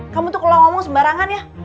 kamu tuh kalau ngomong sembarangan ya